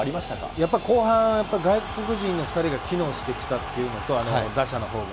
やっぱり、後半、外国人の２人が機能してきたというのと、打者のほうが。